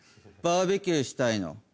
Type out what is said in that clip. バーベキューしたいの？